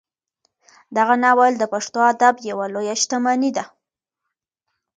دغه ناول د پښتو ادب یوه لویه شتمني ده.